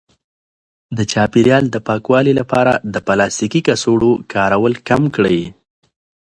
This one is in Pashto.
د چاپیریال د پاکوالي لپاره د پلاستیکي کڅوړو کارول کم کړئ.